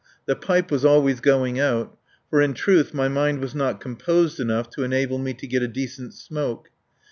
The pipe was always going out; for in truth my mind was not composed enough to enable me to get a decent smoke.